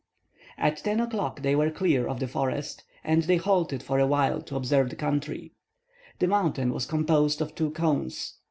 At 10 o'clock they were clear of the forest, and they halted for a while to observe the country. The mountain was composed of two cones.